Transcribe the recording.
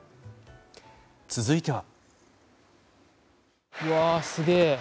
続いては。